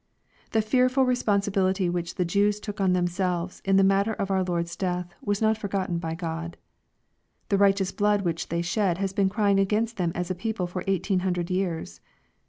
The fearful responsibility which the Jews took on themselves in the matter of our Lord's death was not forgotten by God. The righteous blood which they shed has been crying against them as a people for eighteen hundred years.